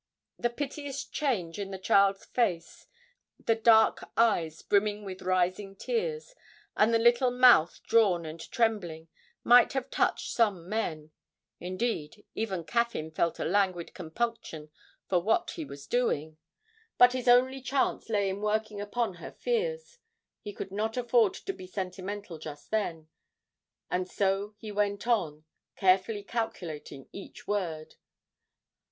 The piteous change in the child's face, the dark eyes brimming with rising tears, and the little mouth drawn and trembling, might have touched some men; indeed, even Caffyn felt a languid compunction for what he was doing. But his only chance lay in working upon her fears; he could not afford to be sentimental just then, and so he went on, carefully calculating each word.